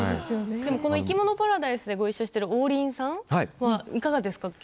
でもこの「いきものパラダイス」でごいっしょしている王林さんはいかがですか。